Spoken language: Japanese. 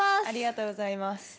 ありがとうございます。